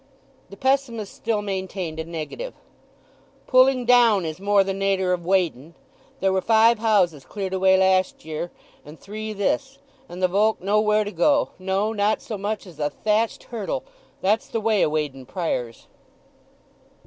The pessimist still maintained a negative. "Pulling down is more the nater of Weydon. There were five houses cleared away last year, and three this; and the volk nowhere to go—no, not so much as a thatched hurdle; that's the way o' Weydon Priors."